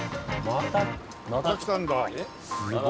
また来たんだ。